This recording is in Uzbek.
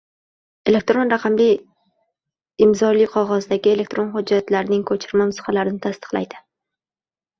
elektron raqamli imzoli qog‘ozdagi elektron hujjatlarning ko‘chirma nusxalarini tasdiqlaydi;